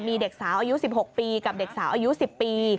มีเด็กสาวอายุ๑๖ปีกับเด็กสาวอายุ๑๐ปี